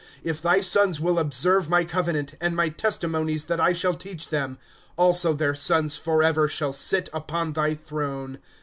" If thy sons will observe my covenant, And my testimonies that I shall teach them ; Also their sons forever Shall sit upon thy throne.